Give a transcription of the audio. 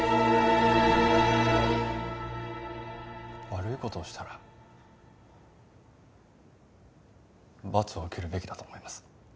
悪い事をしたら罰を受けるべきだと思います。